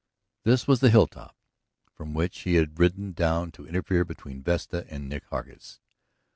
This was the hilltop from which he had ridden down to interfere between Vesta and Nick Hargus.